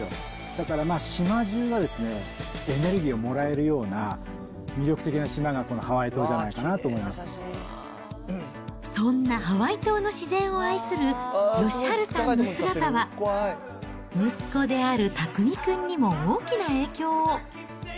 だから島中がエネルギーをもらえるような、魅力的な島がこのハワそんなハワイ島の自然を愛する義治さんの姿は、息子である拓海君にも大きな影響を。